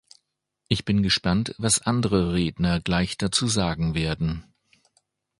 Ich bin gespannt, was andere Redner gleich dazu sagen werden.